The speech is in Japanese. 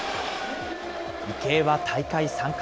池江は大会３冠。